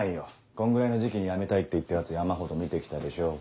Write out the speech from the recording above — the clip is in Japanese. こんぐらいの時期に辞めたいって言ったヤツ山ほど見て来たでしょ。